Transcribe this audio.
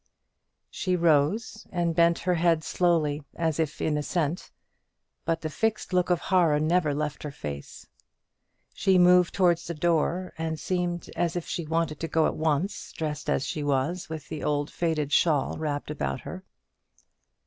She rose and bent her head slowly as if in assent, but the fixed look of horror never left her face. She moved towards the door, and seemed as if she wanted to go at once dressed as she was, with the old faded shawl wrapped about her.